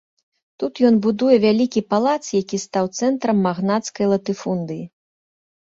Тут ён будуе вялікі палац, які стаў цэнтрам магнацкай латыфундыі.